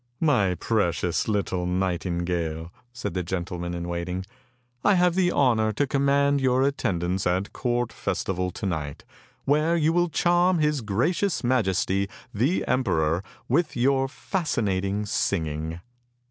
" My precious little nightingale," said the gentleman in waiting, " I have the honour to command your attendance at a court festival to night, where you will charm his gracious majesty the emperor with your fascinating singing."